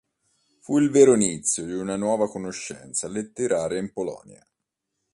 Fu il vero inizio di una nuova conoscenza letteraria in Polonia.